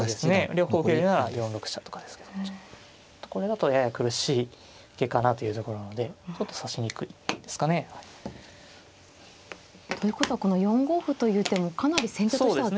両方受けるなら４六飛車とかですけどちょっとこれだとやや苦しい受けかなというところなのでちょっと指しにくいですかね。ということはこの４五歩という手もかなり先手としては決断の一手。